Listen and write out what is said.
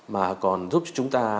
mà còn giúp chúng ta